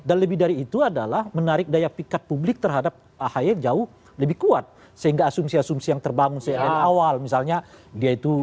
dan lebih dari itu adalah menarik daya pikat publik terhadap ahaye jauh lebih kuat sehingga asumsi asumsi yang terbangun awal misalnya dia itu